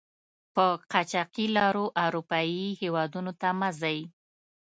په قاچاقي لارو آروپایي هېودونو ته مه ځئ!